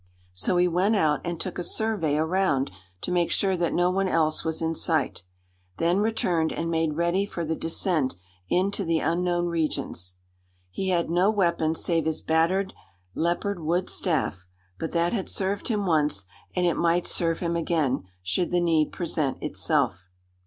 So he went out and took a survey around to make sure that no one else was in sight, then returned and made ready for the descent into the unknown regions. He had no weapon save his battered leopard wood staff; but that had served him once, and it might serve him again should the need present itself.